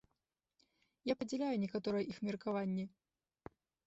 Я падзяляю некаторыя іх меркаванні.